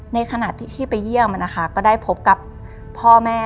ในขณะที่ไปเยี่ยมนะคะก็ได้พบกับพ่อแม่